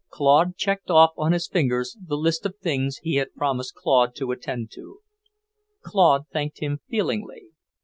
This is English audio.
Ralph checked off on his fingers the list of things he had promised Claude to attend to. Claude thanked him feelingly.